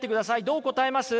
どう答えます？